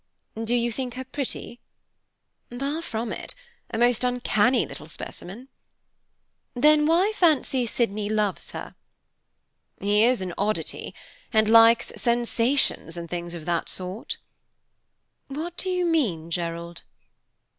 "Do you think her pretty?" "Far from it, a most uncanny little specimen." "Then why fancy Sydney loves her?" "He is an oddity, and likes sensations and things of that sort." "What do you mean, Gerald?"